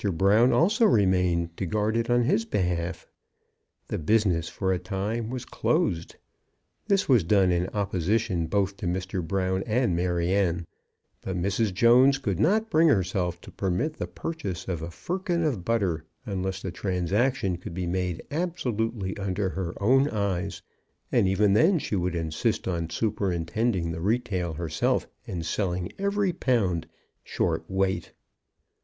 Brown also remained to guard it on his behalf. The business for a time was closed. This was done in opposition both to Mr. Brown and Maryanne; but Mrs. Jones could not bring herself to permit the purchase of a firkin of butter, unless the transaction could be made absolutely under her own eyes; and, even then, she would insist on superintending the retail herself and selling every pound, short weight.